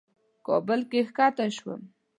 کابل کې کښته شوم.